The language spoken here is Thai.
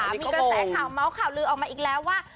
มีกระแสข่าวเมาส์ข่าวลือออกมาอีกแล้วว่า